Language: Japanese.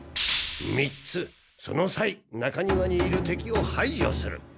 ３つその際中庭にいる敵をはいじょする。